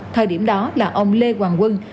thời điểm đó là ông lê hoàng quân